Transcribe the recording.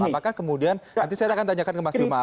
apakah kemudian nanti saya akan tanyakan ke mas bima